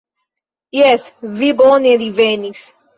Jes, vi bone divenis!